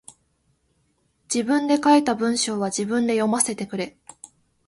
自分で書いた文章は自分で読ませてくれ。